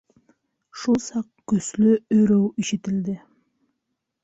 Шул саҡ көслө өрөү ишетелде.